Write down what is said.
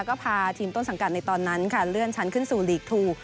ก็พาทีมต้นสังกัดในตอนนั้นค่ะเลื่อนชั้นขึ้นสู่ลีกทู